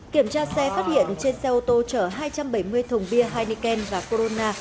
kiểm tra xe phát hiện trên xe ô tô chở hai trăm bảy mươi thùng bia heineken và corona